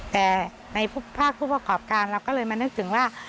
แต่ในภาคผู้ประกอบการเราก็เลยมานึกถึงว่า